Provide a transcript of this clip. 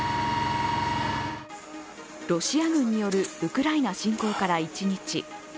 ロシア軍によるウクライナ侵攻から１日。